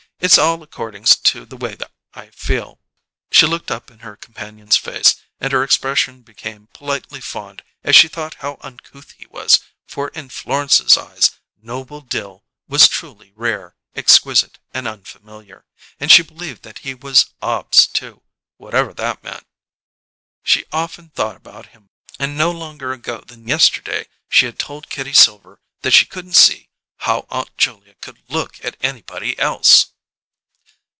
It's all accordings to the way I feel." She looked up in her companion's face, and her expression became politely fond as she thought how uncouth he was, for in Florence's eye Noble Dill was truly rare, exquisite, and unfamiliar; and she believed that he was obs, too, whatever that meant. She often thought about him, and no longer ago than yesterday she had told Kitty Silver that she couldn't see "how Aunt Julia could look at anybody else!"